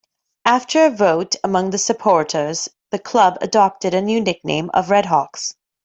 After a vote among the supporters the club adopted a new nickname of RedHawks.